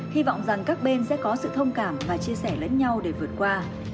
hy vọng rằng các bên sẽ có sự thông cảm và chia sẻ lẫn nhau để vượt qua